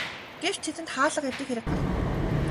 Гэвч тэдэнд хаалга эвдэх хэрэг гарна.